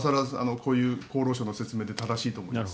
こういう厚労省の説明で正しいと思います。